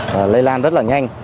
và lây lan rất là nhanh